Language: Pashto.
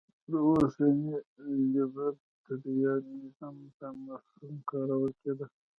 دا اوسني لیبرټریانیزم په مفهوم کارول کېده.